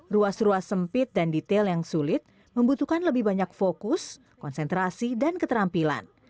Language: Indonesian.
ruas ruas sempit dan detail yang sulit membutuhkan lebih banyak fokus konsentrasi dan keterampilan